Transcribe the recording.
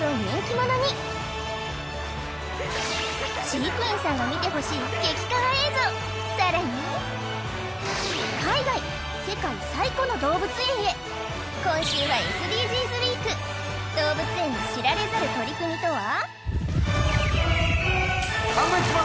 飼育員さんが見てほしい激カワ映像さらに海外今週はＳＤＧｓウィーク動物園の知られざる取り組みとは？